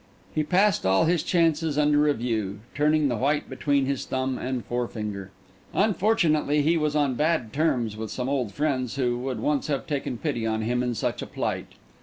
He passed all his chances under review, turning the white between his thumb and forefinger. Unfortunately he was on bad terms with some old friends who would once have taken pity on him in such a plight.